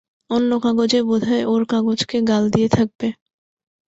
অন্য কাগজে বোধ হয় ওঁর কাগজকে গাল দিয়ে থাকবে।